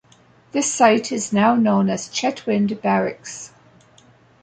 This site is now known as Chetwynd Barracks.